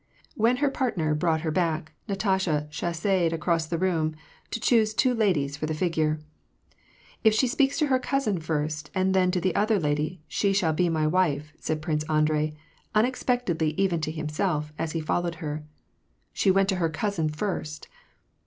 When her partner brought her back, Na tasha cheisseed across the room to choose two ladies for the figure. '' If she speaks to her cousin first, and then to the other lady, she shall be my wife !" said Prince Andrei, unexpectedly even to himself, as he followed her. She went to her cotisin first